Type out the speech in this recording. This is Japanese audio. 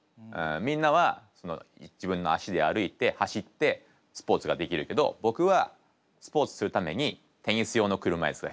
みんなは自分の足で歩いて走ってスポーツができるけど僕はスポーツするためにテニス用の車いすが必要。